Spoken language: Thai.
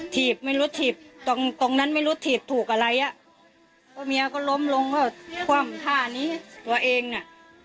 ถีบไม่รู้ถีบตรงตรงนั้นไม่รู้ถีบถูกอะไรอ่ะเพราะเมียก็ล้มลงก็คว่ำท่านี้ตัวเองน่ะ